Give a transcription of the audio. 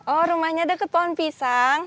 oh rumahnya deket pohon pisang